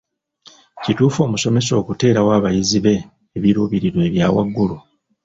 Kituufu omusomesa okuteerawo abayizi be ebiruubiriwa ebya waggului?